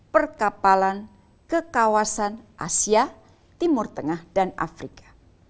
perkapalan ke kawasan asia timur tengah dan afrika